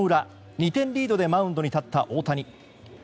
２点リードでマウンドに立った大谷。